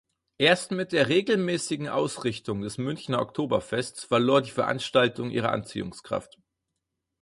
Erst mit der regelmäßigen Ausrichtung des Münchener Oktoberfests verlor die Veranstaltung ihre Anziehungskraft.